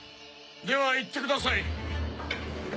では行ってください。